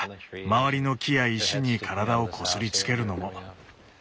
周りの木や石に体をこすりつけるのも。